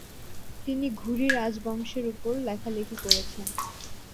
তিনি ঘুরি রাজবংশের উপর লেখালেখি করেছেন।